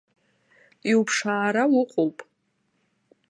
Иуԥшаара уҟоуп.